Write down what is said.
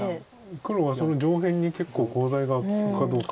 黒はその上辺に結構コウ材が利くかどうか。